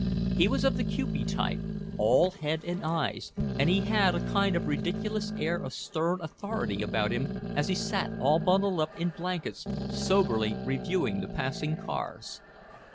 He was of the kewpie type, all head and eyes, and he had a kind of ridiculous air of stern authority about him as he sat all bundled up in blankets soberly reviewing the passing cars.